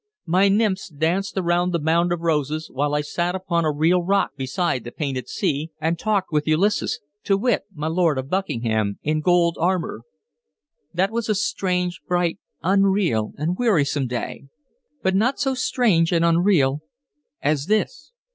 My nymphs danced around the mound of roses, while I sat upon a real rock beside the painted sea and talked with Ulysses to wit, my Lord of Buckingham in gold armor. That was a strange, bright, unreal, and wearisome day, but not so strange and unreal as this."